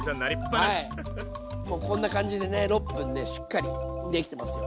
もうこんな感じでね６分しっかりできてますよ。